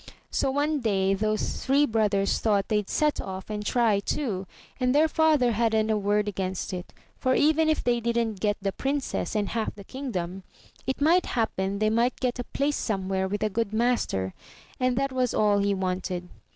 So one day those three brothers thought they'd set off and try too, and their father hadn't a word against it; for even if they didn't get the princess and half the king dom, it might happen they might get a place some where with a good master; and that was all he wanted.